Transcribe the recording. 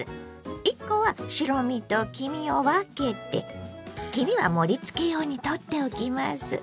１コは白身と黄身を分けて黄身は盛りつけ用にとっておきます。